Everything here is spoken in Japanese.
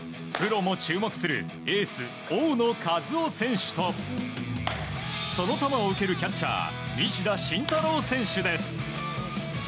プロも注目するエース、大野稼頭央選手とその球を受けるキャッチャー西田心太朗選手です。